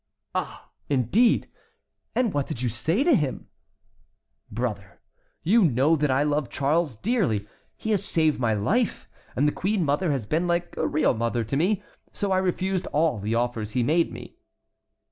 "Ah! indeed! and what did you say to him?" "Brother, you know that I love Charles dearly. He has saved my life, and the queen mother has been like a real mother to me. So I refused all the offers he made me."